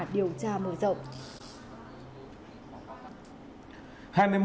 điều tra mở rộng